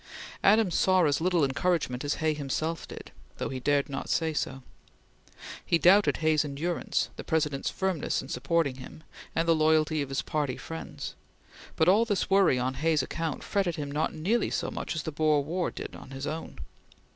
Adams saw as little encouragement as Hay himself did, though he dared not say so. He doubted Hay's endurance, the President's firmness in supporting him, and the loyalty of his party friends; but all this worry on Hay's account fretted him not nearly so much as the Boer War did on his own.